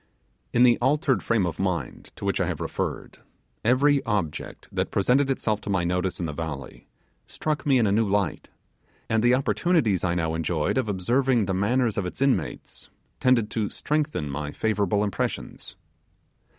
In the altered frame of mind to which I have referred, every object that presented itself to my notice in the valley struck me in a new light, and the opportunities I now enjoyed of observing the manners of its inmates, tended to strengthen my favourable impressions.